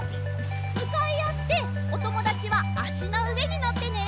むかいあっておともだちはあしのうえにのってね！